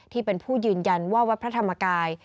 ที่เป็นผู้ยืนยันว่าวัดพระธรรมกาย